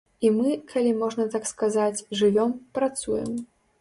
І мы, калі можна так сказаць, жывём, працуем.